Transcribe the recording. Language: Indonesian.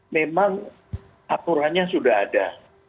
memang aturannya sudah ada